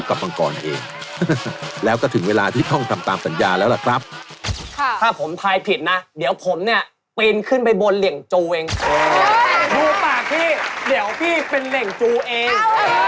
เค้าจะขึ้นไปบนเหรียญจูเอง